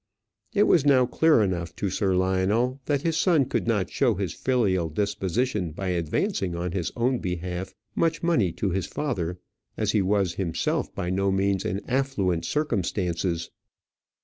It was now clear enough to Sir Lionel that his son could not show his filial disposition by advancing on his own behalf much money to his father, as he was himself by no means in affluent circumstances.